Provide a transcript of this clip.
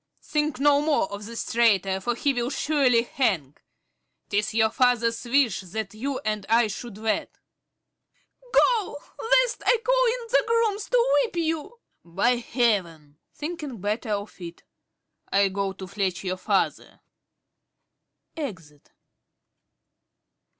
Think no more of this traitor, for he will surely hang. 'Tis your father's wish that you and I should wed. ~Dorothy~ (refusing him). Go, lest I call in the grooms to whip you. ~Carey.~ By heaven (Thinking better of it.) I go to fetch your father. (_Exit.